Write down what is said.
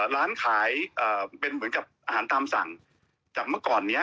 ร้านขายเป็นเหมือนกับอาหารตามสั่งจากเมื่อก่อนนี้